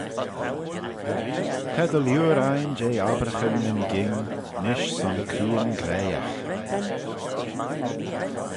Ta dy liooar ain jeh obbraghyn nyn ghing, nish son creeyn graihagh.